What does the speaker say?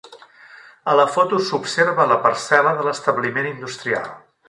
A la foto s'observa la parcel·la de l'establiment industrial.